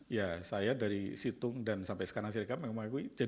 ya saya dari situng dan sampai sekarang sirekam yang mengakui